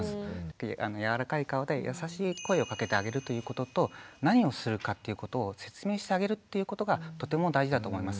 柔らかい顔で優しい声をかけてあげるということと何をするかっていうことを説明してあげるということがとても大事だと思います。